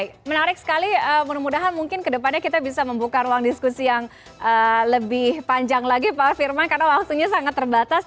oke menarik sekali mudah mudahan mungkin kedepannya kita bisa membuka ruang diskusi yang lebih panjang lagi pak firman karena waktunya sangat terbatas